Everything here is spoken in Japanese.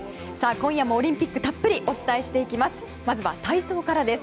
今夜もオリンピックたっぷりお伝えしていきます。